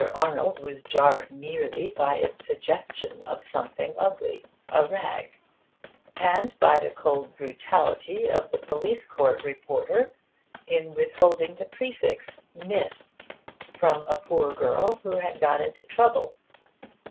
Arnold was jarred merely by its suggestion of something ugly, a rag, and by the cold brutality of the police court reporter in withholding the prefix 'Miss' from a poor girl who had got into trouble.